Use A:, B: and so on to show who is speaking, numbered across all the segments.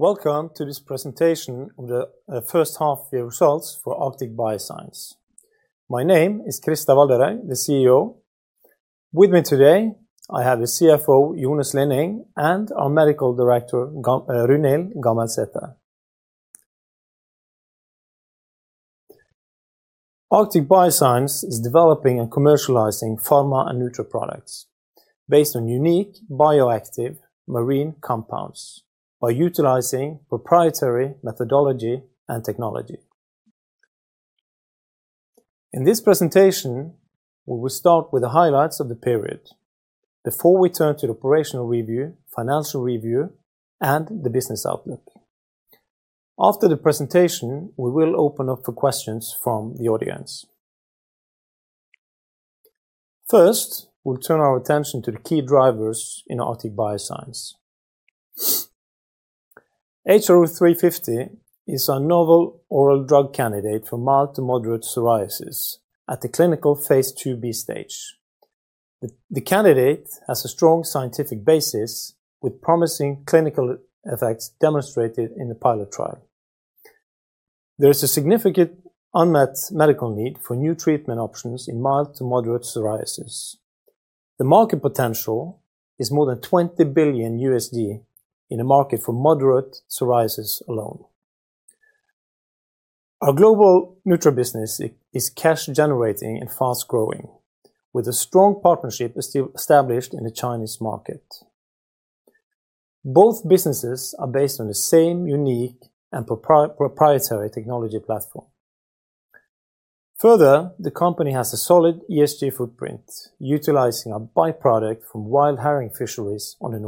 A: Welcome to this presentation of the First Half Year Results for Arctic Bioscience. My name is Christer Valderhaug, the CEO. With me today, I have the CFO, Jone R. Slinning, and our Medical Director, Runhild Gammelsæter. Arctic Bioscience is developing and commercializing pharma and nutra products based on unique bioactive marine compounds by utilizing proprietary methodology and technology. In this presentation, we will start with the highlights of the period before we turn to the operational review, financial review, and the business outlook. After the presentation, we will open up for questions from the audience. First, we'll turn our attention to the key drivers in Arctic Bioscience. HRO350 is our novel oral drug candidate for mild-to-moderate psoriasis at the clinical phase IIb stage. The candidate has a strong scientific basis with promising clinical effects demonstrated in the pilot trial. There is a significant unmet medical need for new treatment options in mild to moderate psoriasis. The market potential is more than $20 billion in a market for moderate psoriasis alone. Our global Nutra business is cash generating and fast-growing with a strong partnership still established in the Chinese market. Both businesses are based on the same unique and proprietary technology platform. The company has a solid ESG footprint utilizing a byproduct from wild herring fisheries on the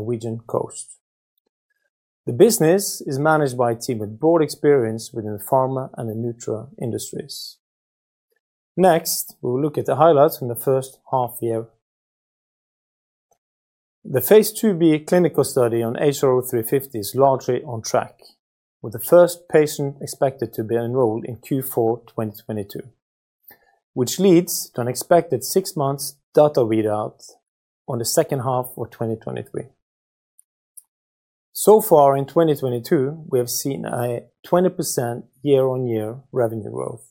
A: Norwegian coast. The business is managed by a team with broad experience within the pharma and the Nutra industries. We will look at the highlights from the first half year. The phase IIb clinical study on HRO350 is largely on track, with the first patient expected to be enrolled in Q4 2022, which leads to an expected six months data readout on the second h alf of 2023. So far in 2022, we have seen a 20% year-on-year revenue growth.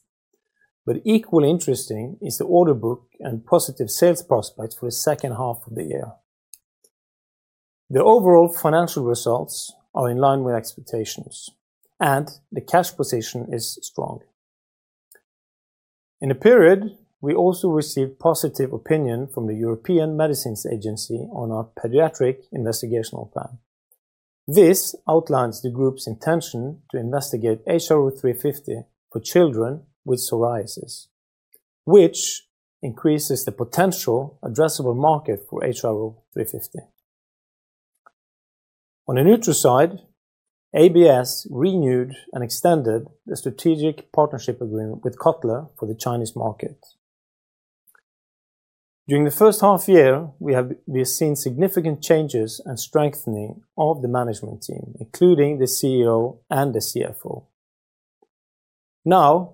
A: Equally interesting is the order book and positive sales prospects for the second half of the year. The overall financial results are in line with expectations, and the cash position is strong. In the period, we also received positive opinion from the European Medicines Agency on our Paediatric Investigation Plan. This outlines the group's intention to investigate HRO350 for children with psoriasis, which increases the potential addressable market for HRO350. On the Nutra side, ABS renewed and extended a strategic partnership agreement with Kotler for the Chinese market. During the first half year, we have seen significant changes and strengthening of the management team, including the CEO and the CFO.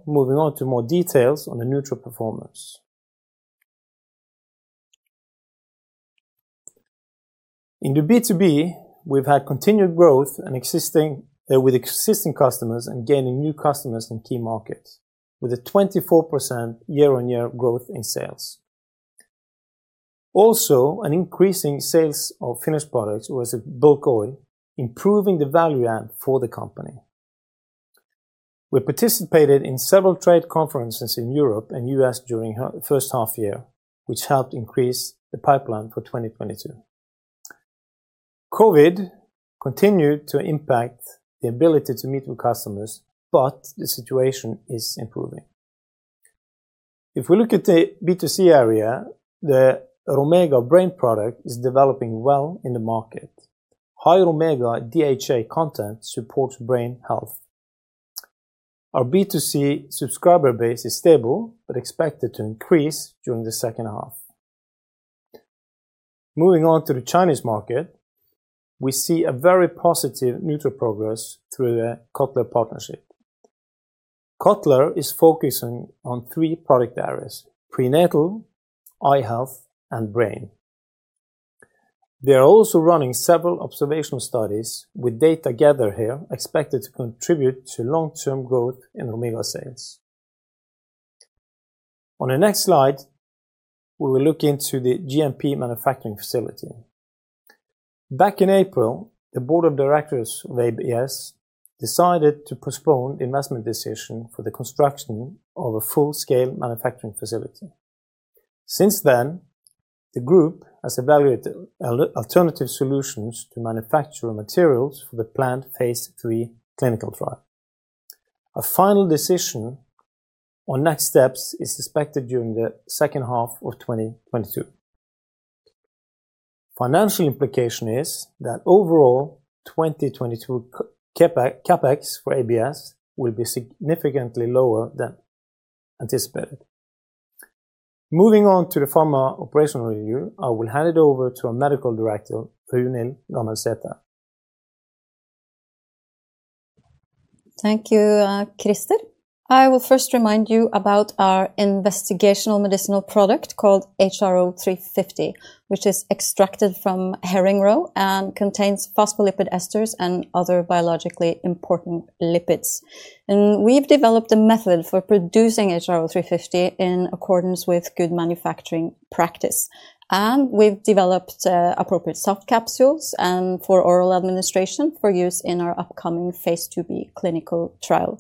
A: Moving on to more details on the Nutra performance. In the B2B, we've had continued growth with existing customers and gaining new customers in key markets, with a 24% year-on-year growth in sales. Also, an increasing sales of finished products versus bulk oil, improving the value add for the company. We participated in several trade conferences in Europe and U.S. during first half year, which helped increase the pipeline for 2022. COVID continued to impact the ability to meet with customers, but the situation is improving. If we look at the B2C area, the Romega BRAIN product is developing well in the market. High Romega DHA content supports brain health. Our B2C subscriber base is stable but expected to increase during the second half. Moving on to the Chinese market, we see a very positive Nutra progress through the Kotler partnership. Kotler is focusing on three product areas: prenatal, eye health, and brain. They are also running several observational studies with data gathered here expected to contribute to long-term growth in Romega sales. On the next slide, we will look into the GMP manufacturing facility. Back in April, the board of directors of ABS decided to postpone the investment decision for the construction of a full-scale manufacturing facility. Since then, the group has evaluated alternative solutions to manufacture materials for the planned phase III clinical trial. A final decision on next steps is expected during the second half of 2022. Financial implication is that overall 2022 CapEX for ABS will be significantly lower than anticipated. Moving on to the pharma operational review, I will hand it over to our Medical Director, Runhild Gammelsæter.
B: Thank you, Christer. I will first remind you about our investigational medicinal product called HRO350, which is extracted from herring roe and contains phospholipid esters and other biologically important lipids. We've developed a method for producing HRO350 in accordance with good manufacturing practice, and we've developed appropriate soft capsules for oral administration for use in our upcoming phase IIb clinical trial.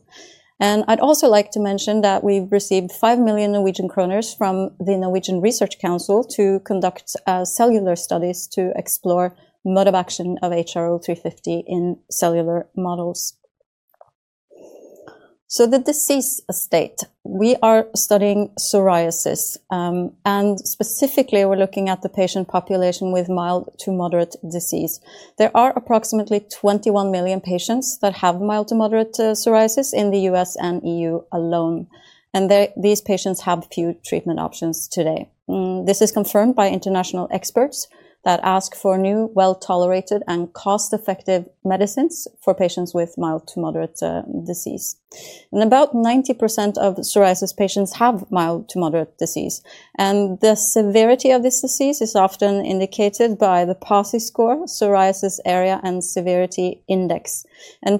B: I'd also like to mention that we've received 5 million Norwegian kroner from The Research Council of Norway to conduct cellular studies to explore mode of action of HRO350 in cellular models. The disease state, we are studying psoriasis. Specifically, we're looking at the patient population with mild to moderate disease. There are approximately 21 million patients that have mild to moderate psoriasis in the U.S. and E.U. alone. These patients have few treatment options today. This is confirmed by international experts that ask for new well-tolerated and cost-effective medicines for patients with mild to moderate disease. About 90% of psoriasis patients have mild to moderate disease, and the severity of this disease is often indicated by the PASI score, Psoriasis Area and Severity Index.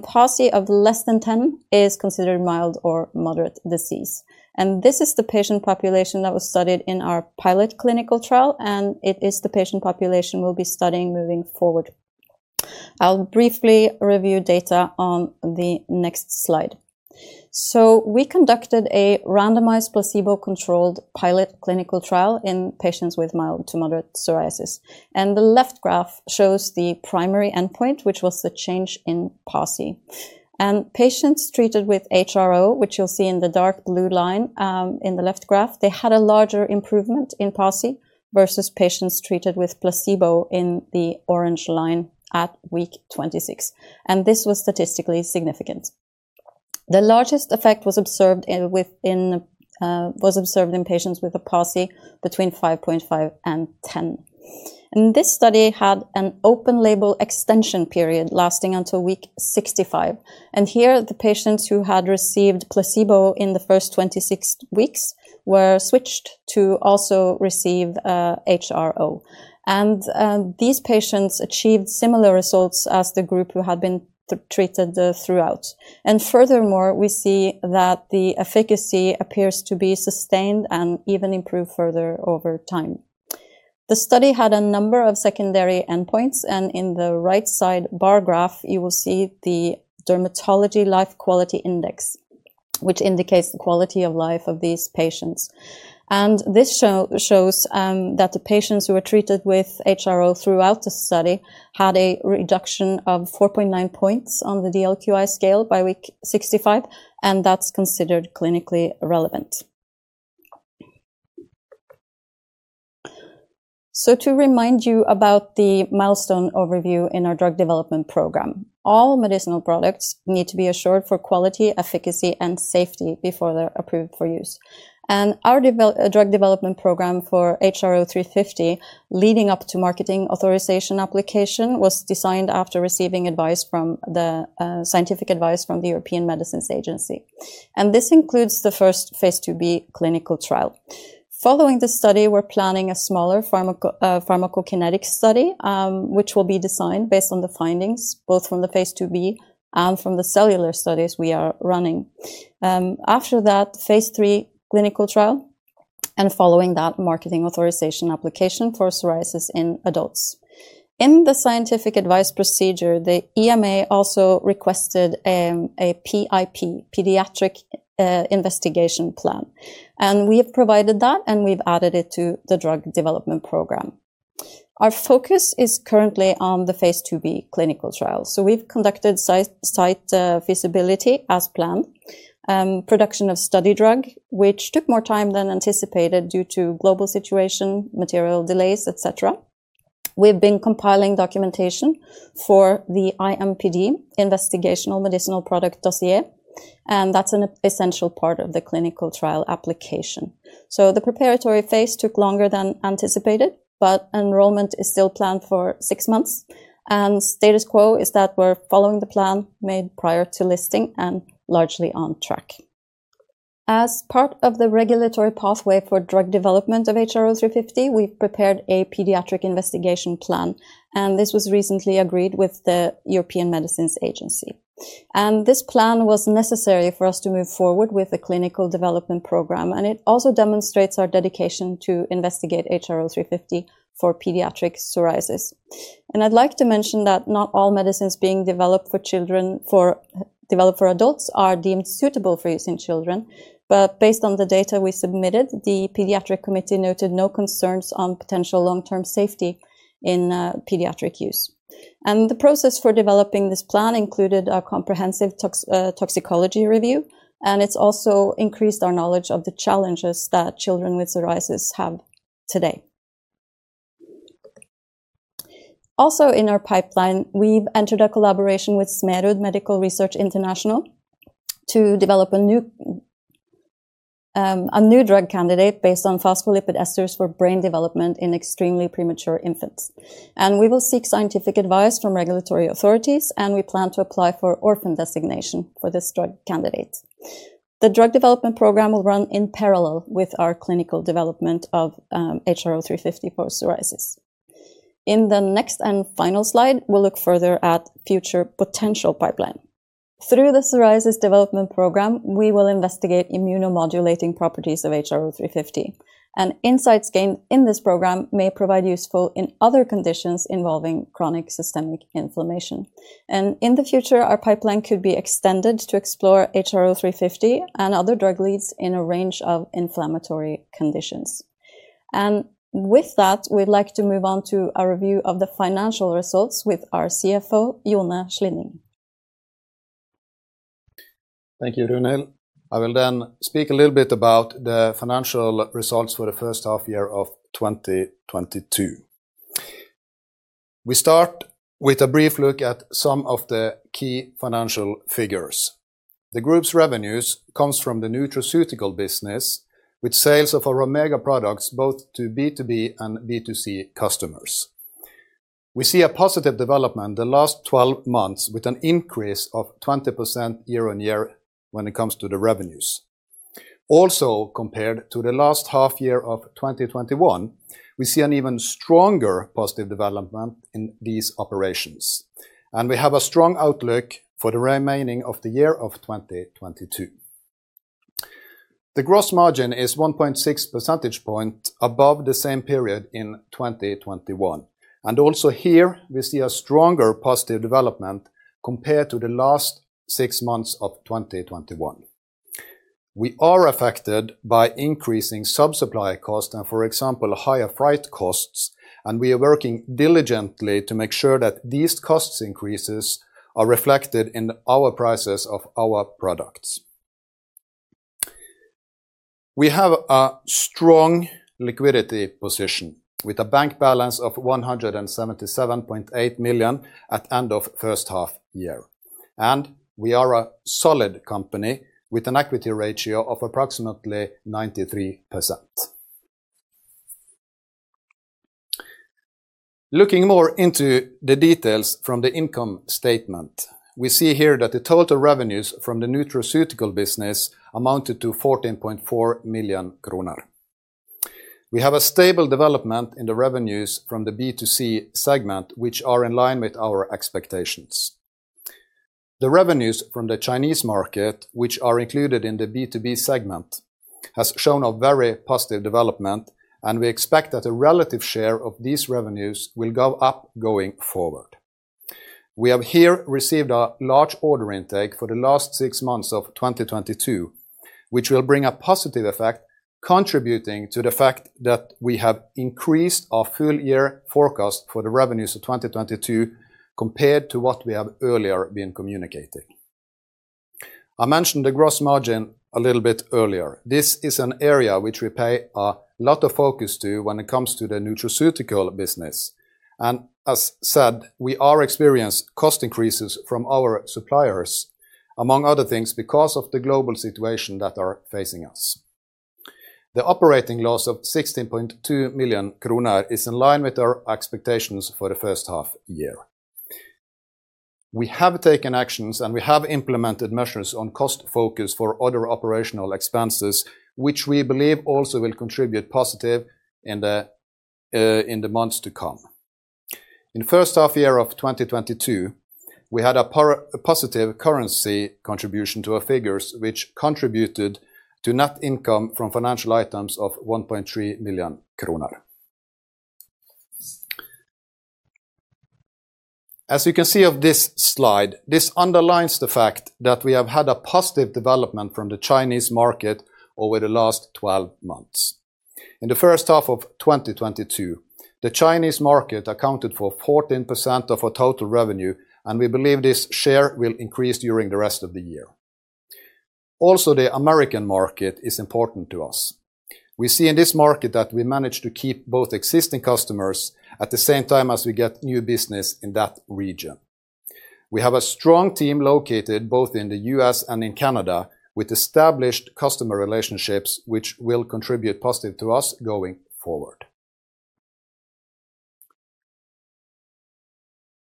B: PASI of less than 10 is considered mild or moderate disease. This is the patient population that was studied in our pilot clinical trial, and it is the patient population we'll be studying moving forward. I'll briefly review data on the next slide. We conducted a randomized placebo-controlled pilot clinical trial in patients with mild to moderate psoriasis. The left graph shows the primary endpoint, which was the change in PASI. Patients treated with HRO, which you'll see in the dark blue line, in the left graph, they had a larger improvement in PASI versus patients treated with placebo in the orange line at week 26. This was statistically significant. The largest effect was observed in patients with a PASI between 5.5 and 10. This study had an open-label extension period lasting until week 65, and here the patients who had received placebo in the first 26 weeks were switched to also receive HRO. These patients achieved similar results as the group who had been treated throughout. Furthermore, we see that the efficacy appears to be sustained and even improved further over time. The study had a number of secondary endpoints, and in the right side bar graph, you will see the Dermatology Life Quality Index, which indicates the quality of life of these patients. This shows that the patients who were treated with HRO throughout the study had a reduction of 4.9 points on the DLQI scale by week 65, and that's considered clinically relevant. To remind you about the milestone overview in our drug development program, all medicinal products need to be assured for quality, efficacy, and safety before they're approved for use. Our drug development program for HRO350 leading up to Marketing Authorization Application was designed after receiving scientific advice from the European Medicines Agency, and this includes the first phase IIb clinical trial. Following the study, we're planning a smaller pharmacokinetic study, which will be designed based on the findings both from the phase IIb and from the cellular studies we are running. After that, phase III clinical trial, following that, Marketing Authorisation Application for psoriasis in adults. In the scientific advice procedure, the EMA also requested a PIP, Paediatric Investigation Plan. We have provided that, and we've added it to the drug development program. Our focus is currently on the phase IIb clinical trial. We've conducted site feasibility as planned. Production of study drug, which took more time than anticipated due to global situation, material delays, et cetera. We've been compiling documentation for the IMPD, Investigational Medicinal Product Dossier, and that's an essential part of the clinical trial application. The preparatory phase took longer than anticipated, but enrollment is still planned for six months. Status quo is that we're following the plan made prior to listing and largely on track. As part of the regulatory pathway for drug development of HRO350, we've prepared a Paediatric Investigation Plan, and this was recently agreed with the European Medicines Agency. This plan was necessary for us to move forward with the clinical development program, and it also demonstrates our dedication to investigate HRO350 for pediatric psoriasis. I'd like to mention that not all medicines being developed for children developed for adults are deemed suitable for use in children. Based on the data we submitted, the pediatric committee noted no concerns on potential long-term safety in pediatric use. The process for developing this plan included a comprehensive, toxicology review, it's also increased our knowledge of the challenges that children with psoriasis have today. Also, in our pipeline, we've entered a collaboration with Smerud Medical Research International to develop a new drug candidate based on phospholipid esters for brain development in extremely premature infants. We will seek scientific advice from regulatory authorities, and we plan to apply for orphan designation for this drug candidate. The drug development program will run in parallel with our clinical development of HRO350 for psoriasis. In the next and final slide, we'll look further at future potential pipeline. Through the psoriasis development program, we will investigate immunomodulating properties of HRO350, and insights gained in this program may provide useful in other conditions involving chronic systemic inflammation. In the future, our pipeline could be extended to explore HRO350 and other drug leads in a range of inflammatory conditions. With that, we'd like to move on to a review of the financial results with our CFO, Jone R. Slinning.
C: Thank you, Runhild. I will speak a little bit about the financial results for the first half year of 2022. We start with a brief look at some of the key financial figures. The group's revenues comes from the nutraceutical business, with sales of our omega products both to B2B and B2C customers. We see a positive development the last 12 months, with an increase of 20% year-on-year when it comes to the revenues. Compared to the last half year of 2021, we see an even stronger positive development in these operations, and we have a strong outlook for the remaining of the year of 2022. The gross margin is 1.6 percentage point above the same period in 2021. Also here we see a stronger positive development compared to the last six months of 2021. We are affected by increasing sub-supplier costs and, for example, higher freight costs. We are working diligently to make sure that these costs increases are reflected in our prices of our products. We have a strong liquidity position, with a bank balance of 177.8 million at end of first half year. We are a solid company with an equity ratio of approximately 93%. Looking more into the details from the income statement, we see here that the total revenues from the nutraceutical business amounted to 14.4 million kroner. We have a stable development in the revenues from the B2C segment, which are in line with our expectations. The revenues from the Chinese market, which are included in the B2B segment, has shown a very positive development, and we expect that the relative share of these revenues will go up going forward. We have here received a large order intake for the last six months of 2022, which will bring a positive effect, contributing to the fact that we have increased our full year forecast for the revenues of 2022 compared to what we have earlier been communicating. I mentioned the gross margin a little bit earlier. This is an area which we pay a lot of focus to when it comes to the nutraceutical business. As said, we are experience cost increases from our suppliers, among other things, because of the global situation that are facing us. The operating loss of 16.2 million kroner is in line with our expectations for the first half year. We have taken actions, and we have implemented measures on cost focus for other OpEx, which we believe also will contribute positive in the months to come. In first half year of 2022, we had a positive currency contribution to our figures, which contributed to net income from financial items of 1.3 million kroner. As you can see of this slide, this underlines the fact that we have had a positive development from the Chinese market over the last 12 months. In the first half of 2022, the Chinese market accounted for 14% of our total revenue, and we believe this share will increase during the rest of the year. The American market is important to us. We see in this market that we manage to keep both existing customers at the same time as we get new business in that region. We have a strong team located both in the U.S. and in Canada with established customer relationships, which will contribute positive to us going forward.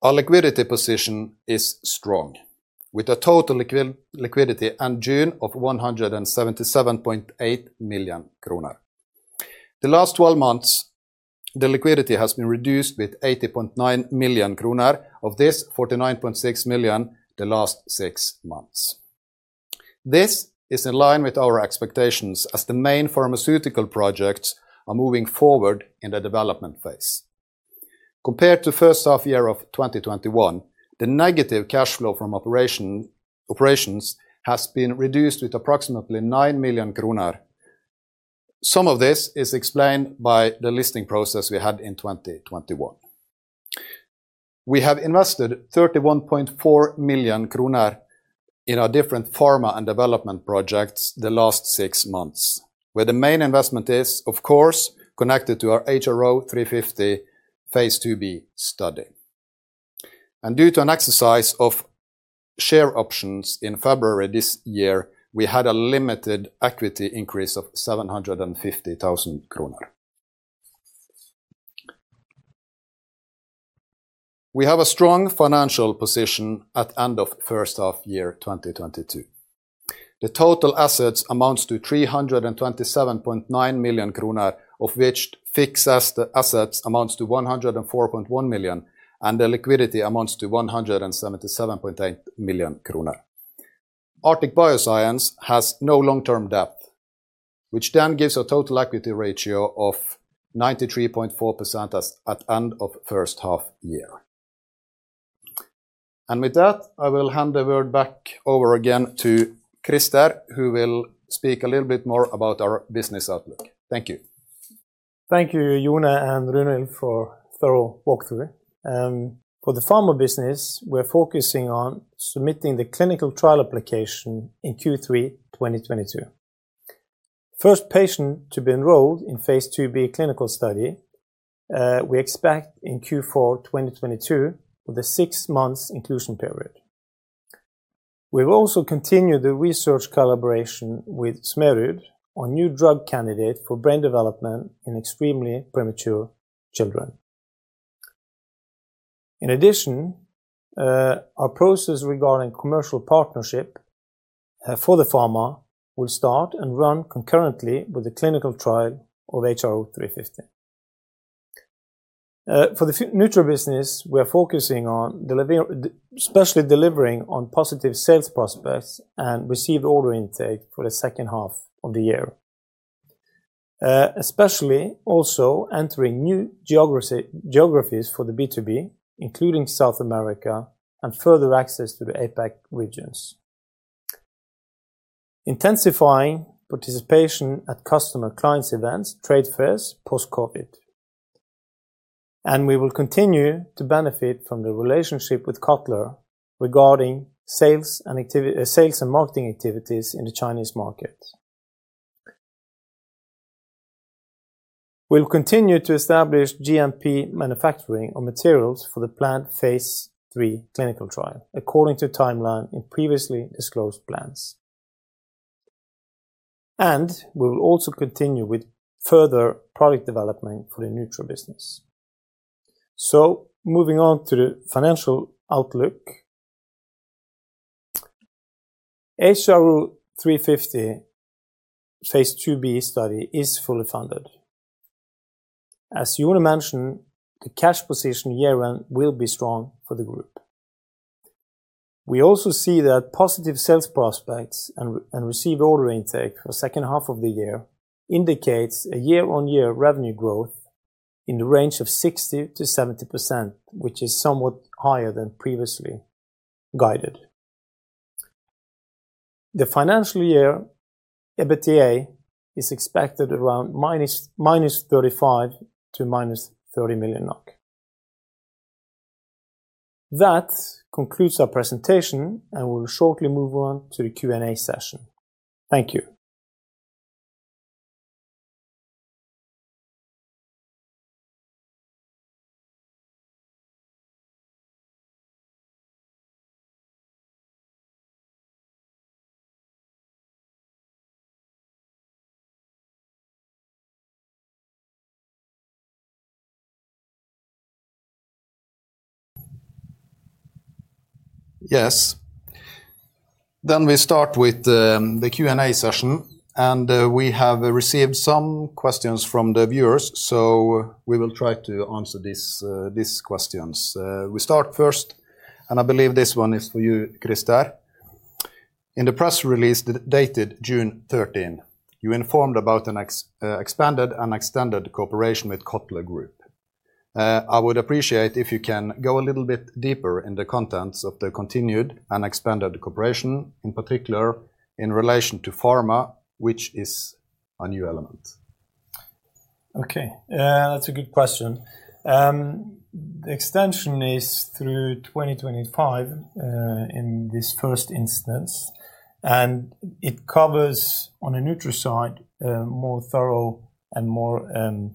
C: Our liquidity position is strong, with a total liquidity end June of 177.8 million kroner. The last 12 months, the liquidity has been reduced with 80.9 million kroner. Of this, 49.6 million the last six months. This is in line with our expectations, as the main pharmaceutical projects are moving forward in the development phase. Compared to first half year of 2021, the negative cash flow from operations has been reduced with approximately 9 million kroner. Some of this is explained by the listing process we had in 2021. We have invested 31.4 million kroner in our different Pharma and development projects the last six months, where the main investment is, of course, connected to our HRO350 phase IIb study. Due to an exercise of share options in February this year, we had a limited equity increase of 750,000 kroner. We have a strong financial position at end of first half year 2022. The total assets amounts to 327.9 million kroner, of which fixed assets amounts to 104.1 million, and the liquidity amounts to 177.8 million kroner. Arctic Bioscience has no long-term debt, which then gives a total equity ratio of 93.4% at end of first half-year. With that, I will hand the word back over again to Christer, who will speak a little bit more about our business outlook. Thank you.
A: Thank you, Jone and Runhild, for thorough walkthrough. For the Pharma business, we're focusing on submitting the clinical trial application in Q3 2022. First patient to be enrolled in phase IIb clinical study, we expect in Q4 2022 for the six months inclusion period. We've also continued the research collaboration with Smerud on new drug candidate for brain development in extremely premature children. Our process regarding commercial partnership for the Pharma will start and run concurrently with the clinical trial of HRO350. For the Nutra business, we are focusing on especially delivering on positive sales prospects and receive order intake for the second half of the year. Especially also entering new geographies for the B2B, including South America and further access to the APAC regions. Intensifying participation at customer clients events, trade fairs post-COVID. We will continue to benefit from the relationship with Kotler regarding sales and marketing activities in the Chinese market. We'll continue to establish GMP manufacturing of materials for the planned phase III clinical trial according to timeline in previously disclosed plans. We will also continue with further product development for the Nutra business. Moving on to the financial outlook. HRO350 phase IIb study is fully funded. As Jone mentioned, the cash position year-end will be strong for the group. We also see that positive sales prospects and receive order intake for second half of the year indicates a year-on-year revenue growth in the range of 60%-70%, which is somewhat higher than previously guided. The financial year EBITDA is expected around -35 to -30 million NOK. That concludes our presentation, and we'll shortly move on to the Q&A session. Thank you.
C: We start with the Q&A session. We have received some questions from the viewers. We will try to answer these questions. We start first, and I believe this one is for you, Christer. In the press release dated June 13th, you informed about an expanded and extended cooperation with Kotler Group. I would appreciate if you can go a little bit deeper in the contents of the continued and expanded cooperation, in particular in relation to Pharma, which is a new element.
A: Okay. Yeah, that's a good question. The extension is through 2025 in this first instance, and it covers on a Nutra side, a more thorough and more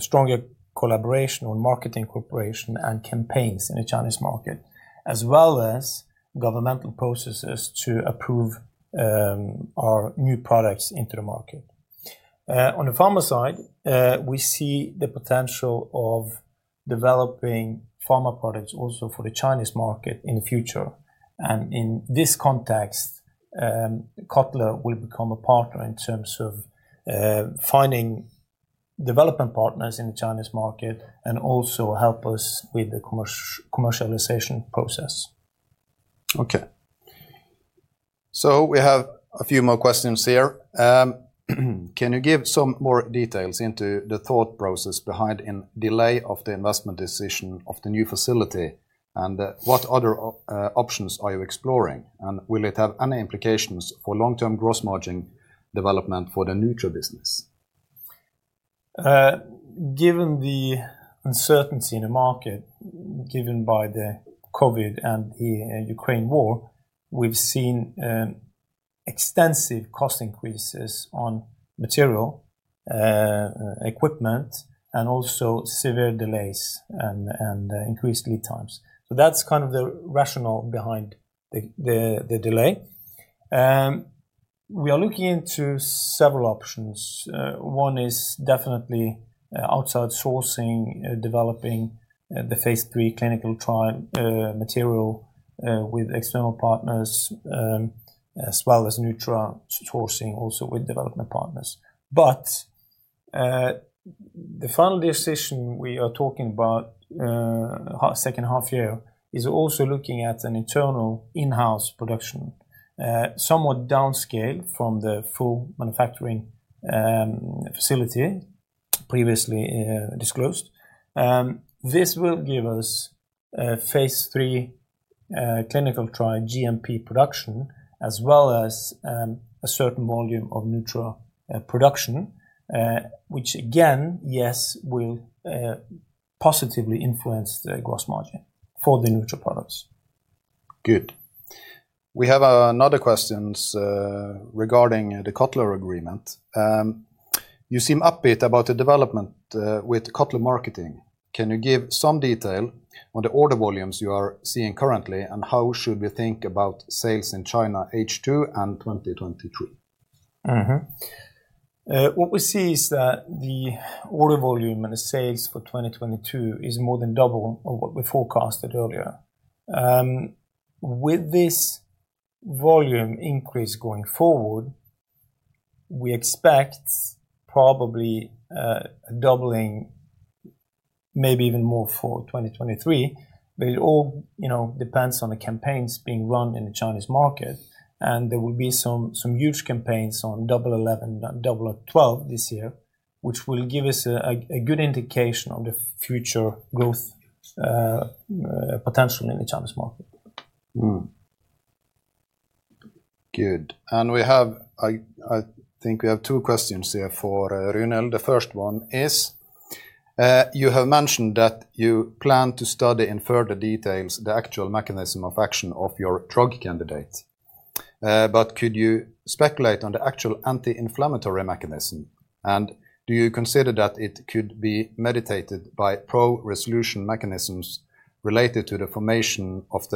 A: stronger collaboration or marketing cooperation and campaigns in the Chinese market, as well as governmental processes to approve our new products into the market. On the Pharma side, we see the potential of developing Pharma products also for the Chinese market in the future. In this context, Kotler will become a partner in terms of finding development partners in the Chinese market and also help us with the commercialization process.
C: Okay. We have a few more questions here. Can you give some more details into the thought process behind in delay of the investment decision of the new facility and what other options are you exploring? Will it have any implications for long-term gross margin development for the Nutra business?
A: Given the uncertainty in the market given by the COVID and the Ukraine war, we've seen extensive cost increases on material, equipment and also severe delays and increased lead times. That's kind of the rationale behind the delay. We are looking into several options. One is definitely outside sourcing, developing the phase III clinical trial material with external partners, as well as Nutra sourcing also with development partners. The final decision we are talking about, second half year is also looking at an internal in-house production, somewhat down scaled from the full manufacturing facility previously disclosed. This will give us phase III clinical trial GMP production, as well as a certain volume of Nutra production, which again, yes, will positively influence the gross margin for the Nutra products.
C: Good. We have, another questions, regarding, the Kotler agreement. You seem upbeat about the development with Kotler Marketing. Can you give some detail on the order volumes you are seeing currently and how should we think about sales in China H2 and 2023?
A: What we see is that the order volume and the sales for 2022 is more than double of what we forecasted earlier. With this volume increase going forward, we expect probably doubling, maybe even more for 2023, but it all, you know, depends on the campaigns being run in the Chinese market and there will be some huge campaigns on Double 11, Double 12 this year, which will give us a good indication of the future growth potential in the Chinese market.
C: Good. I think we have two questions here for Runhild. The first one is, you have mentioned that you plan to study in further details the actual mechanism of action of your drug candidate. Could you speculate on the actual anti-inflammatory mechanism and do you consider that it could be mediated by pro-resolution mechanisms related to the formation of,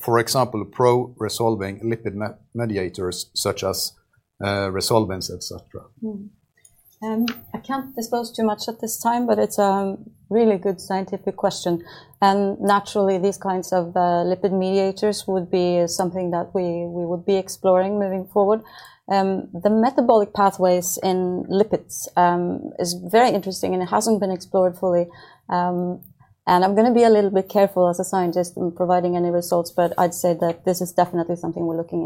C: for example, pro-resolving lipid mediators such as resolvins, et cetera?
B: I can't disclose too much at this time, but it's a really good scientific question. Naturally, these kinds of lipid mediators would be something that we would be exploring moving forward. The metabolic pathways in lipids is very interesting and it hasn't been explored fully. I'm gonna be a little bit careful as a scientist in providing any results, but I'd say that this is definitely something we're looking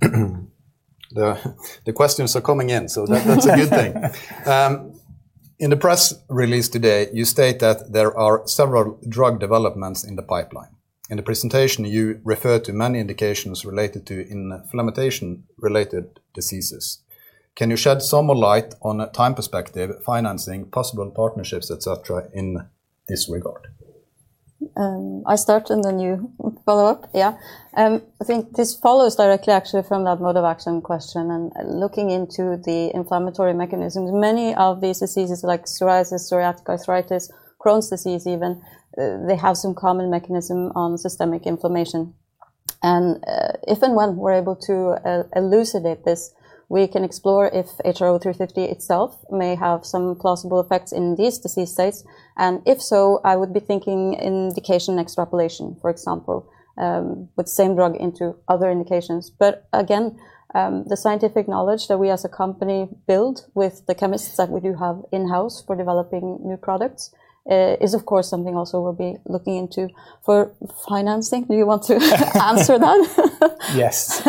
B: into.
C: The questions are coming in, so that's a good thing. In the press release today, you state that there are several drug developments in the pipeline. In the presentation, you refer to many indications related to inflammation-related diseases. Can you shed some more light on a time perspective, financing, possible partnerships, et cetera, in this regard?
B: I start and then you follow up. Yeah. I think this follows directly actually from that mode of action question and looking into the inflammatory mechanisms. Many of these diseases like psoriasis, psoriatic arthritis, Crohn's disease even, they have some common mechanism on systemic inflammation. And if and when we're able to elucidate this, we can explore if HRO350 itself may have some plausible effects in these disease states. And if so, I would be thinking indication extrapolation, for example, with same drug into other indications. But again, the scientific knowledge that we as a company build with the chemists that we do have in-house for developing new products, is of course something also we'll be looking into. For financing, do you want to answer that?
A: Yes.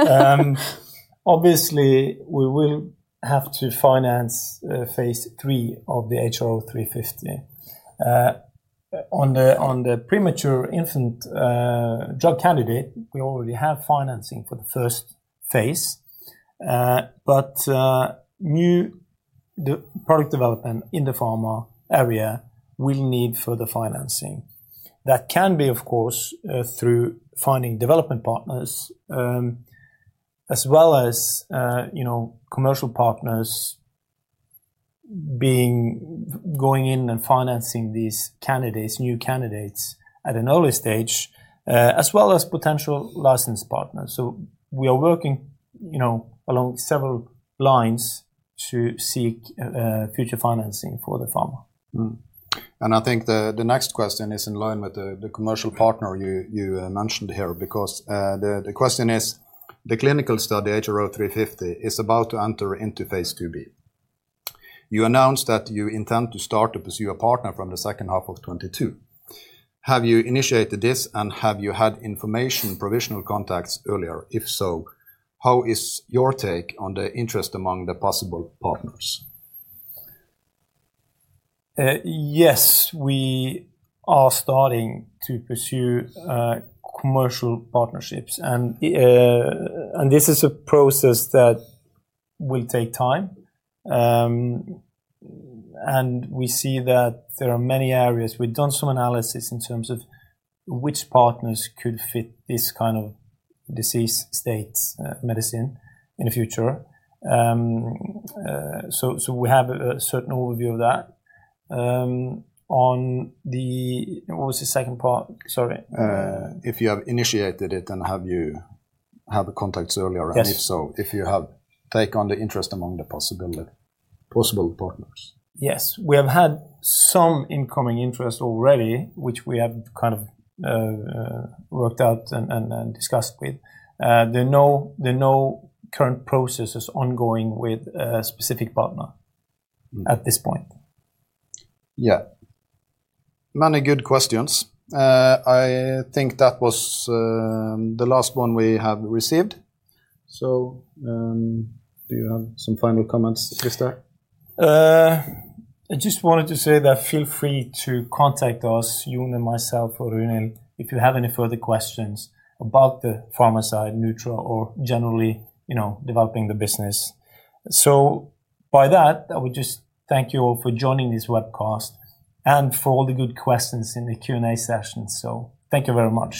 A: Obviously we will have to finance phase III of the HRO350. On the, on the premature infant drug candidate, we already have financing for the first phase. But new product development in the Pharma area will need further financing. That can be, of course, through finding development partners, as well as, you know, commercial partners going in and financing these candidates, new candidates at an early stage, as well as potential license partners. We are working, you know, along several lines to seek future financing for the Pharma.
C: I think the next question is in line with the commercial partner you mentioned here because the question is: The clinical study HRO350 is about to enter into phase IIb. You announced that you intend to start to pursue a partner from the second half of 2022. Have you initiated this and have you had information, provisional contacts earlier? If so, how is your take on the interest among the possible partners?
A: Yes, we are starting to pursue commercial partnerships, and this is a process that will take time. We see that there are many areas. We've done some analysis in terms of which partners could fit this kind of disease states medicine in the future. We have a certain overview of that. On the... What was the second part? Sorry.
C: If you have initiated it, have you had contacts earlier?
A: Yes.
C: if so, if you have take on the interest among the possible partners.
A: Yes. We have had some incoming interest already, which we have kind of, worked out and discussed with. There are no current processes ongoing with a specific partner-
C: Mm
A: at this point.
C: Yeah. Many good questions. I think that was the last one we have received. Do you have some final comments, Christer?
A: I just wanted to say that feel free to contact us, Jone and myself or Runhild, if you have any further questions about the Pharma side, Nutra, or generally, you know, developing the business. By that, I would just thank you all for joining this webcast and for all the good questions in the Q&A session. Thank you very much.